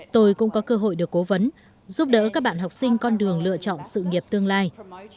tôi cũng có cơ hội được cố vấn giúp đỡ các bạn học sinh con đường lựa chọn sự nghiệp tương lai